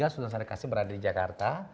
sultan syarif kasim berada di jakarta